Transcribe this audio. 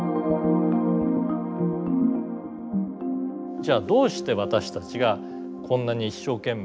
じゃあどうして私たちがこんなに一生懸命生きるためにですね